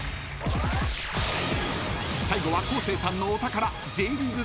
［最後は昴生さんのお宝Ｊリーグ